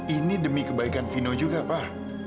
ini demi kebaikan vino juga pak